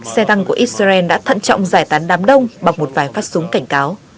xe tăng của israel đã thận trọng giải tán đám đông bằng một vài phát súng cảnh cáo